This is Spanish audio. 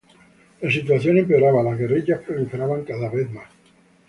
La situación empeoraba, las guerrillas proliferaban cada vez más.